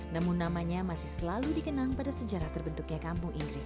namun namanya masih selalu dikenang pada sejarah terbentuknya kampung inggris